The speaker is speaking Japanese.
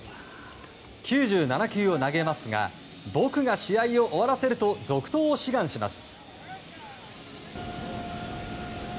９７球を投げますが僕が試合を終わらせると続投を志願します。